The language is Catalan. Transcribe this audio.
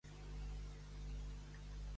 De quin indret va ser batllessa?